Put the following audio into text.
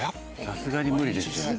さすがに無理です。